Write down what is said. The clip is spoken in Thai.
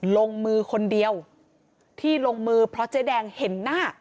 ลงมือคนเดียวที่ลงมือเพราะเจ๊แดงเห็นหน้า